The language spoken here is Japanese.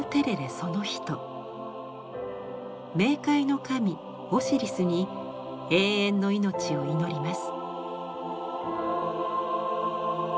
冥界の神オシリスに永遠の命を祈ります。